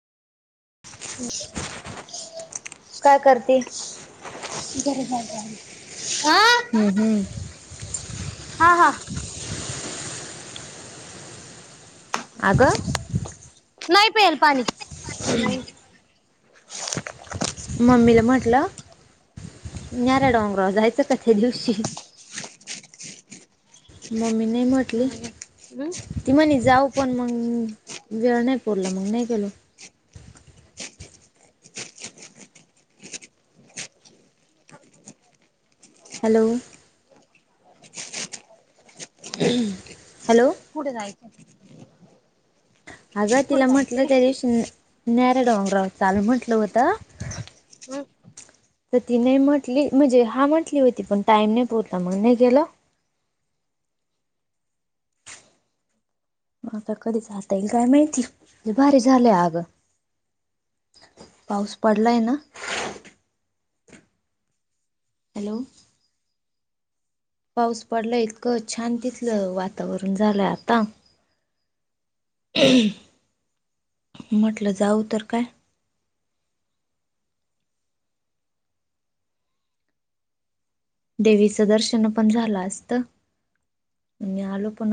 काय करते? अ् गर्भ [inaudible] हम् हम्म [inaudible] हा हा आग नाही पेल पाणी नाही. मम्मीला म्हटलं नऱ डोंगराव जायचं का त्या दिवशी मम्मी नाही म्हटली, ती म्हणे जाऊ पण मग वेळ नाही पुरला मग नाही गेलो. हॅलो हॅलो, कुठे जायच? अगं तिला म्हटलं त्या दिवशी नर डोंगरा हो चाल म्हटलं होतं. हं. तर ती नाही म्हंटली म्हणजे हा म्हटली होती पण टाइम नाही पुरला मग नाही गेलं. मग आता कधी जाता येईल काय माहितीे भारी झालंय अग पाऊस पडलाय ना, हॅलो पाऊस पडला इतकं छान तिथलं वातावरण झालंय आता म्हटलं जाऊ तर काय देवीचं दर्शन पण झालं असत आलो पण